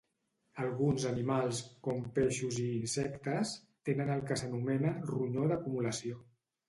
Alguns animals, com peixos i insectes, tenen el que s'anomena ronyó d'acumulació.